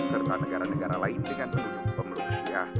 serta negara negara lain dengan penunjuk pemeluk syiah